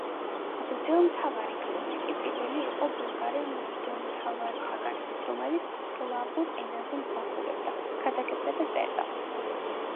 მღვდელმთავარი კლიმენტი პირველი იყო ბულგარელ მღვდელმთავართაგან, რომელიც სლავურ ენაზე მსახურებდა, ქადაგებდა და წერდა.